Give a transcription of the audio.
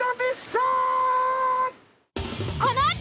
このあと。